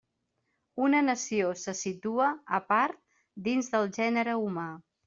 Una nació se situa a part dins del gènere humà.